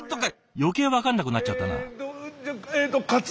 余計分かんなくなっちゃったな。